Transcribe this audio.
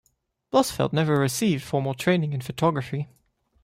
Blossfeldt never received formal training in photography.